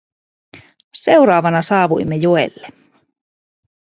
Seuraavana saavuimme joelle.